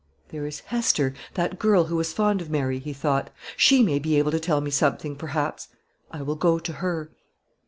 "There is Hester, that girl who was fond of Mary," he thought; "she may be able to tell me something, perhaps. I will go to her."